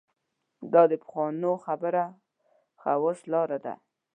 دا د پخوانو خبره خواصو لاره ده.